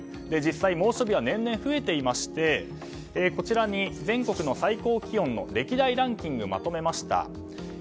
実際、猛暑日は年々増えていましてこちらに全国の最高気温の歴代ランキングをまとめました。